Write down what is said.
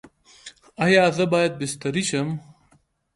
ایا زه باید بستري شم؟